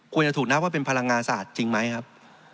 ควรจะถูกนับว่าเป็นพลังงานสะอาดจริงไหมครับ